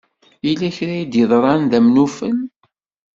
Yella kra i d-yeḍran d amnufel?